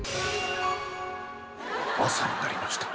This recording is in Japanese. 朝になりました。